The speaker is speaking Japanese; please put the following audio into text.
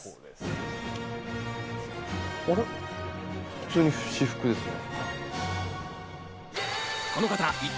普通に私服ですね。